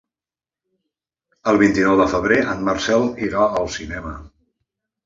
El vint-i-nou de febrer en Marcel irà al cinema.